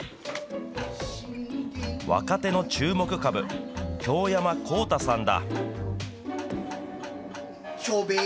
若手の注目株、京山幸太さんだ。